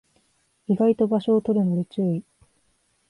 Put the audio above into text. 意外と場所を取るので注意